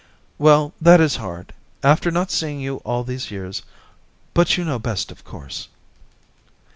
* Well, that is hard. After not seeing you all these years. But you know best, of course